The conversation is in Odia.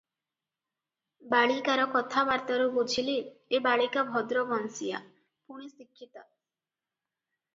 ବାଳିକାର କଥାବାର୍ତ୍ତାରୁ ବୁଝିଲେ, ଏ ବାଳିକା ଭଦ୍ର ବଂଶୀୟା- ପୁଣି ଶିକ୍ଷିତା ।